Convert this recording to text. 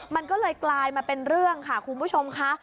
มันก็เลยกลายมาเป็นเรื่องค่ะคุณผู้ชมค่ะ